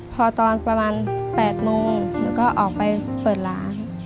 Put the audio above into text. พอตอนประมาณ๘โมงหนูก็ออกไปเปิดร้าน